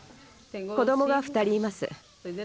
子どもが２人います。